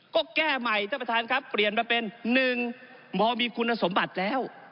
ก็แก้ใหม่ท่านประธานครับเปลี่ยนมาเป็น๑มมีคุณสมบัติแล้ว